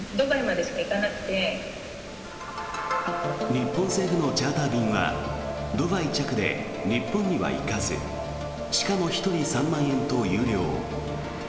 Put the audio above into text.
日本政府のチャーター便はドバイ着で日本には行かずしかも、１人３万円と有料。